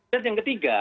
dan yang ketiga